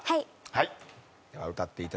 はい。